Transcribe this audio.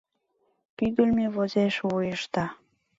Пӱгыльмӧ возеш вуешда.